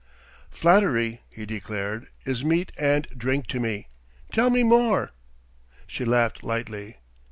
"Flattery," he declared, "is meat and drink to me. Tell me more." She laughed lightly.